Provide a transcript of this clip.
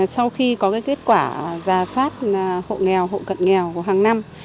sau khi có kết quả giả soát hộ nghèo hộ cận nghèo hàng năm